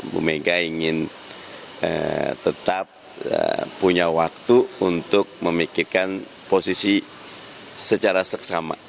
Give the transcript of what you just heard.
bu mega ingin tetap punya waktu untuk memikirkan posisi secara seksama